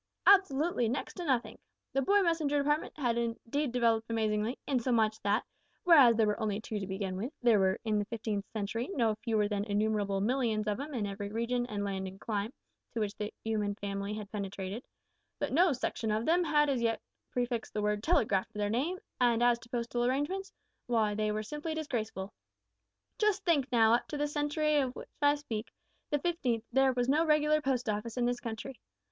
Absolutely next to nothink! The Boy Messenger Department had indeed developed amazingly, insomuch that, whereas there were only two to begin with, there were in the 15th century no fewer than innumerable millions of 'em in every region and land and clime to which the 'uman family had penetrated, but no section of them had as yet prefixed the word `Telegraph' to their name, and as to postal arrangements, w'y, they were simply disgraceful. Just think, now, up to the century of which I speak the fifteenth there was no regular Post Office in this country.